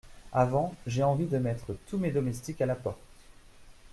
Avant, j’ai envie de mettre tous mes domestiques à la porte !…